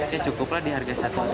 ya cukup lah di harga satu unit